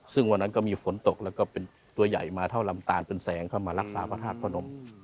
ซึ่งวันนั้นก็มีฝนตกแล้วก็เป็นตัวใหญ่มาเท่าลำตาลเป็นแสงเข้ามารักษาพระธาตุพระนม